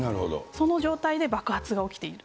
その状態で爆発が起きている。